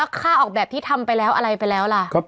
ค่าออกแบบที่ทำไปแล้วอะไรไปแล้วล่ะ